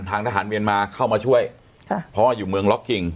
ทหารเมียนมาเข้ามาช่วยค่ะเพราะว่าอยู่เมืองล็อกกิ่ง